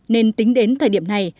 nên tính đến thời điểm này